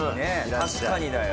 確かにだよ。